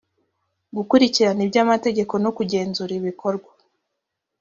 gukurikirana iby amategeko no kugenzura ibikorwa